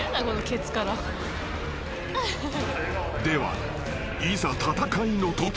［ではいざ戦いのとき］